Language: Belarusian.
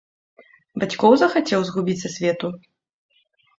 Бацькоў захацеў згубіць са свету?